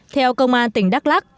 theo công an tỉnh đắk lắc